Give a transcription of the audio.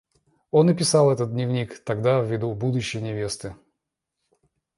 Он и писал этот дневник тогда в виду будущей невесты.